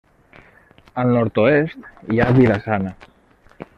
Al nord-oest hi ha Vila-Sana.